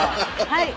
はい。